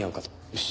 よし。